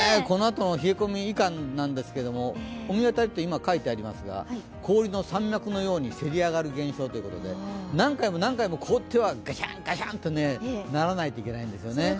このあとの冷え込みいかんなんですけれども、御神渡りって今、書いてありますが氷の山脈のようにせり上がる現象ということで何回も何回も凍ってはガシャンガシャンとならないといけないんですよね。